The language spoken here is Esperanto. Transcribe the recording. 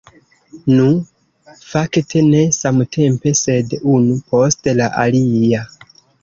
Nu, fakte ne samtempe, sed unu post la alia.